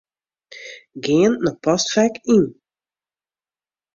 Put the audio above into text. Gean nei Postfek Yn.